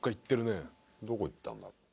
どこ行ったんだろ？